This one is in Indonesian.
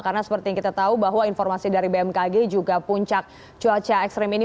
karena seperti yang kita tahu bahwa informasi dari bmkg juga puncak cuaca ekstrem ini